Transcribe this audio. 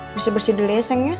bersih bersih dulu ya sayang ya